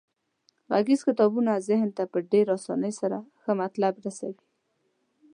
غږیز کتابونه ذهن ته په ډیرې اسانۍ سره ښه مطلب رسوي.